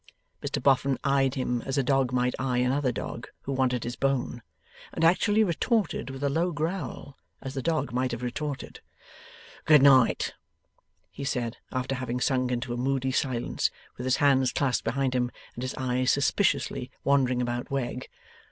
Mr Boffin eyed him as a dog might eye another dog who wanted his bone; and actually retorted with a low growl, as the dog might have retorted. 'Good night,' he said, after having sunk into a moody silence, with his hands clasped behind him, and his eyes suspiciously wandering about Wegg. 'No!